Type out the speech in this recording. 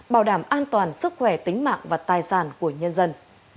bảo đảm an toàn sức khỏe tính mạng và tài sản của nhân dân